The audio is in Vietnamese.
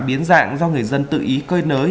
biến dạng do người dân tự ý cơi nới